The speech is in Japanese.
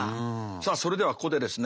さあそれではここでですね